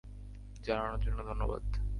জানানোর জন্য ধন্যবাদ।